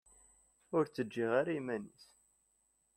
Ur tt-ǧǧiɣ ara iman-is.